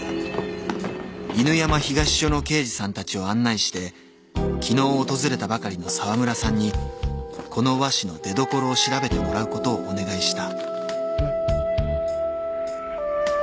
［犬山東署の刑事さんたちを案内して昨日訪れたばかりの澤村さんにこの和紙の出どころを調べてもらうことをお願いした］